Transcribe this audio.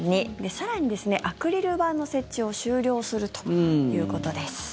更に、アクリル板の設置を終了するということです。